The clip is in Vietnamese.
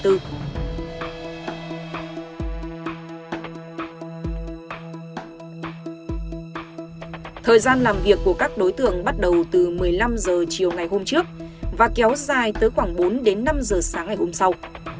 thời gian làm việc của các đối tượng bắt đầu từ một mươi năm h chiều ngày hôm trước và kéo dài tới khoảng bốn đến năm h sáng ngày hôm sau